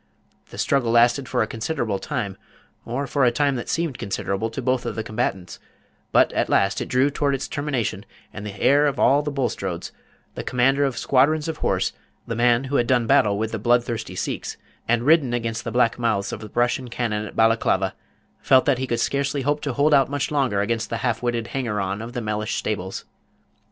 The struggle lasted for a considerable time or for a time that seemed considerable to both of the combatants but at last it drew toward its termination, and the heir of all the Bulstrodes, the commander of squadrons of horse, the man who had done battle with the blood thirsty Sikhs, and ridden against the black mouths of Russian cannon at Balaklava, felt that he could scarcely hope to hold out much longer against the half witted hanger on of the Mellish stables.